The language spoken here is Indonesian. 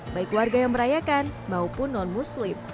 baik warga yang merayakan maupun non muslim